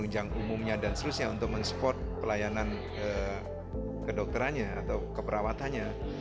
yang umumnya dan seterusnya untuk mensupport pelayanan kedokterannya atau keperawatannya